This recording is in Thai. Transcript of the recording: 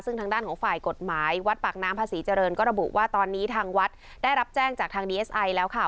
ซึ่งทางด้านของฝ่ายกฎหมายวัดปากน้ำภาษีเจริญก็ระบุว่าตอนนี้ทางวัดได้รับแจ้งจากทางดีเอสไอแล้วค่ะ